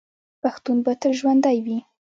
پښتون به تل ژوندی وي.